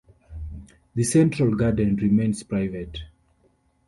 The central garden remains private.